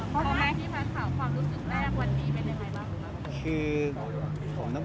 พระมาฆที่ฟังข่าวความรู้สึกแบบวันนี้เป็นไงบ้าง